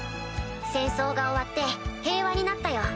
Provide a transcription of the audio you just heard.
戦争が終わって平和になったよ。